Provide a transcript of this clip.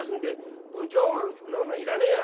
そんなものいらねえや。